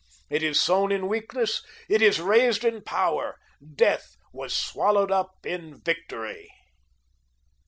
It is sown in weakness. It is raised in power. Death was swallowed up in Victory.